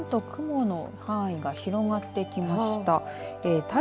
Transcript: だんだんと雲の範囲が広がってきました。